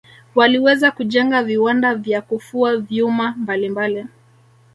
waliweza kujenga viwanda vya kufua vyuma mbalimbali